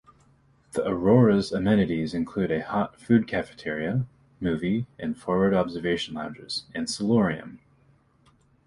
The "Aurora"s amenities include a hot-food cafeteria, movie and forward observation lounges, and solarium.